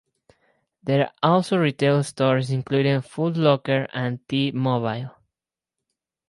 There are also retail stores including Footlocker and T-Mobile.